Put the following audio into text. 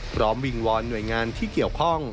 วิงวอนหน่วยงานที่เกี่ยวข้อง